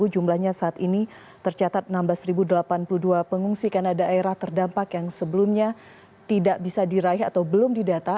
jumlahnya saat ini tercatat enam belas delapan puluh dua pengungsi karena daerah terdampak yang sebelumnya tidak bisa diraih atau belum didata